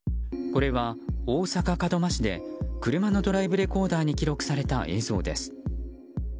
これは大阪・門真市で車のドライブレコーダーに記録された映像です。